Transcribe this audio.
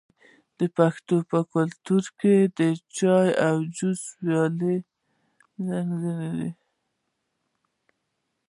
د پښتنو په کلتور کې د چای جوش او پیالې ځانګړي دي.